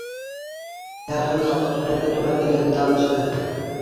Ярһаң, хаҡын түләргә тура килә, дамочка!